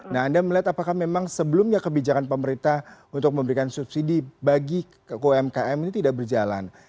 nah anda melihat apakah memang sebelumnya kebijakan pemerintah untuk memberikan subsidi bagi umkm ini tidak berjalan